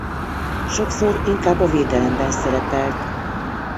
Sokszor inkább a védelemben szerepelt.